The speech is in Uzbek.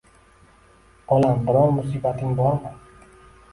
Bolam, biror musibating bormi